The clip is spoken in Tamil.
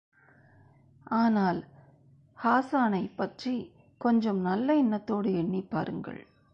ஆனால், ஹாஸானைப் பற்றிக் கொஞ்சம் நல்ல எண்ணத்தோடு எண்ணிப் பாருங்கள்.